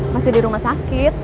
masih di rumah sakit